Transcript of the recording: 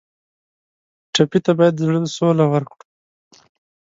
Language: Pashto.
ټپي ته باید د زړه سوله ورکړو.